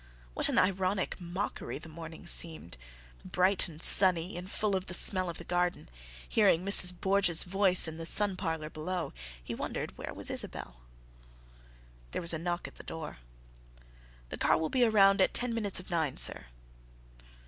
What an ironic mockery the morning seemed!—bright and sunny, and full of the smell of the garden; hearing Mrs. Borge's voice in the sun parlor below, he wondered where was Isabelle. There was a knock at the door. "The car will be around at ten minutes of nine, sir."